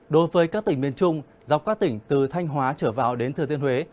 đối với các tỉnh miền trung dọc các tỉnh từ thanh hóa trở vào đến thừa thiên huế